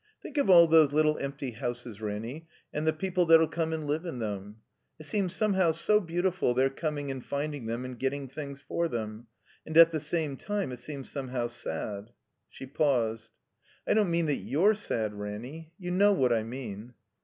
"Think of all those little empty houses, Ranny, and the people that '11 come and live in them. It seems somehow so beautif td their coming and finding them and getting things for them; and at the same time it seems somehow sad." She paused. '* I don't mean that youCre sad, Ranny. You know what I mean."